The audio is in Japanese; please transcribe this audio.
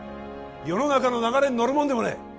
世の中の流れに乗るもんでもねえ